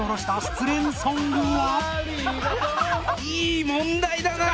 いい問題だな！